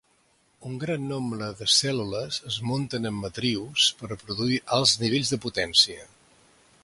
Un gran nombre de cèl·lules es munten en matrius per produir alts nivells de potència.